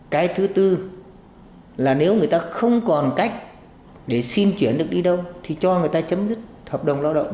cái thứ tư là nếu người ta không còn cách để xin chuyển được đi đâu thì cho người ta chấm dứt hợp đồng lao động